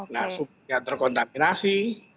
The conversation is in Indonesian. nah sumurnya terkontaminasi